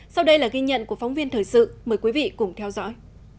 sau đây là ghi nhận của phóng viên thời sự mời quý vị cùng theo dõi